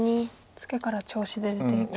ツケから調子で出ていこうと。